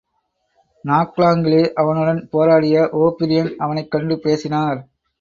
நாக்லாங்கிலே அவனுடன் போராடிய ஒ பிரியன் அவனைக் கண்டு பேசினார்.